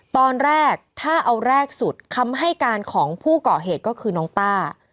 ตอนแรกถ้าเอาแรกสุดคำให้การของผู้เกาะเหตุก็คือน้องต้า